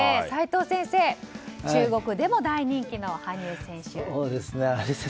齋藤先生、中国でも大人気の羽生選手ですね。